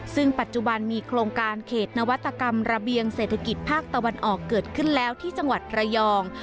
ซึ่งปัจจุบันมีโครงการเขตนวัตกรรมระเบียงเศรษฐกิจภาคตะวันออกเกิดขึ้นแล้วที่จังหวัดระยอง